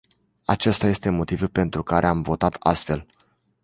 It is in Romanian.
Acesta este motivul pentru care am votat astfel.